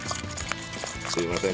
すいません